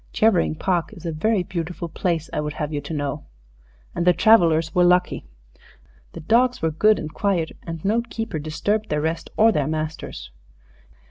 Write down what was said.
Chevering Park is a very beautiful place, I would have you to know. And the travellers were lucky. The dogs were good and quiet, and no keeper disturbed their rest or their masters.